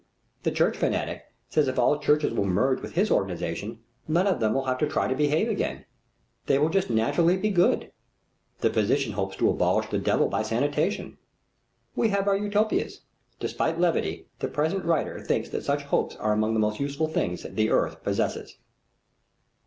The church fanatic says if all churches will merge with his organization, none of them will have to try to behave again. They will just naturally be good. The physician hopes to abolish the devil by sanitation. We have our Utopias. Despite levity, the present writer thinks that such hopes are among the most useful things the earth possesses.